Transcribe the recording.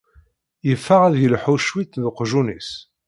Yeffeɣ ad yelḥu cwiṭ d uqjun-is.